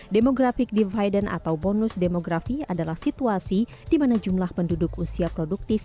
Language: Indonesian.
demographic dividend atau bonus demografi adalah situasi di mana jumlah penduduk usia produktif